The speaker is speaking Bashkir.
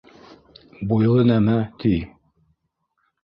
Буйлы нәмә, ти.